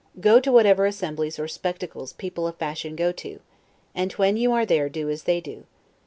Go to whatever assemblies or SPECTACLES people of fashion go to, and when you are there do as they do.